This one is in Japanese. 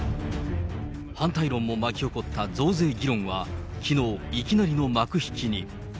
反対論も巻き起こった増税議論は、きのう、いきなりの幕引きに。